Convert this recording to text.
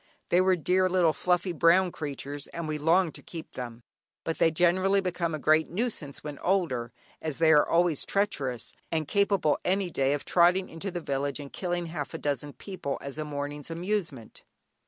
They were dear little fluffy brown creatures, and we longed to keep them, but they generally become a great nuisance when older, as they are always treacherous, and capable any day of trotting into the village and killing half a dozen people as a morning's amusement.